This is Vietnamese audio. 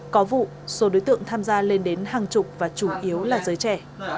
có vụ số đối tượng tham gia lên đến hàng chục và chủ yếu là giới trẻ